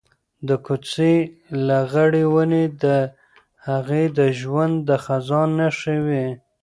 د کوڅې لغړې ونې د هغې د ژوند د خزان نښې وې.